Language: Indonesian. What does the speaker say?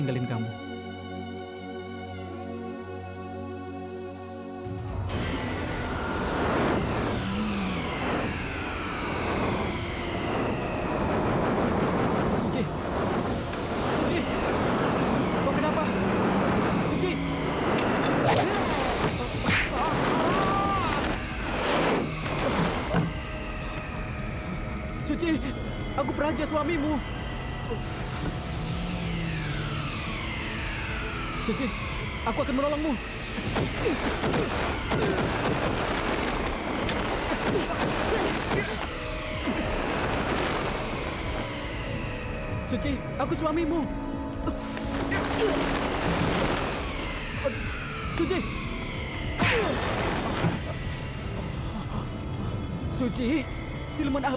nanti valmer apasih selamat